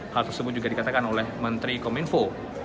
hal tersebut juga dikatakan oleh menteri kominfo